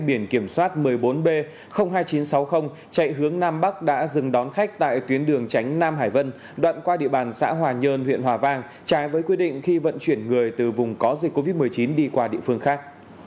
tỉnh thành phố hòa nhơn phát hiện xe khách biển kiểm soát một mươi bốn b hai nghìn chín trăm sáu mươi chạy hướng nam bắc đã dừng đón khách tại tuyến đường tránh nam hải vân đoạn qua địa bàn xã hòa nhơn huyện hòa vang trái với quy định khi vận chuyển người từ vùng có dịch covid một mươi chín đi qua địa phương khác